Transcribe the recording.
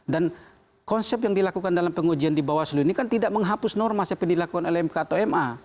dan konsep yang dilakukan dalam pengujian di bawaslu ini kan tidak menghapus norma seperti yang dilakukan oleh mk atau ma